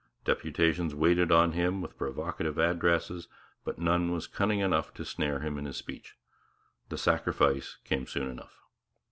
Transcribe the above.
Deputations waited on him with provocative addresses; but none was cunning enough to snare him in his speech. The 'sacrifice' came soon enough.